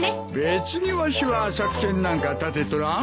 別にわしは作戦なんかたてとらん。